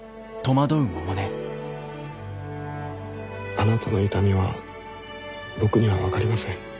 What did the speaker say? あなたの痛みは僕には分かりません。